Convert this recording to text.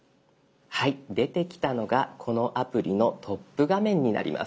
はい出てきたのがこのアプリのトップ画面になります。